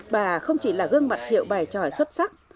bà không chỉ là gương mặt hiệu bài tròi xuất sắc